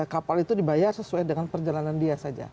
kapal itu dibayar sesuai dengan perjalanan dia saja